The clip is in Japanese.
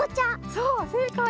そうせいかい！